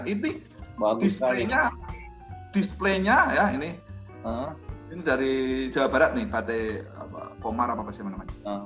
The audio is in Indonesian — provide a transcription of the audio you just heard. ini display nya display nya ini dari jawa barat nih kt komar apa apa sih namanya